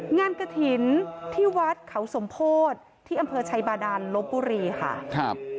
งานกระถิ่นที่วัดเขาสมโพธิที่อำเภอชัยบาดันลบบุรีค่ะครับ